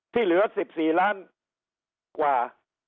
ที่เหลือสิบสี่ล้านกว่า